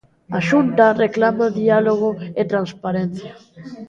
A Xunta reclama diálogo e transparencia.